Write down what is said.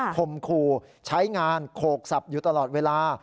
คมคู่ใช้งานโขกสับอยู่ตลอดเวลา